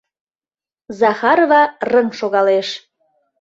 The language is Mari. Захарова рыҥ шогалеш.